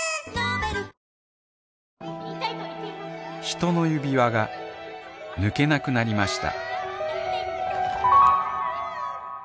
他人の指輪が抜けなくなりました